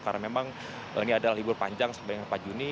karena memang ini adalah libur panjang sampai dengan empat juni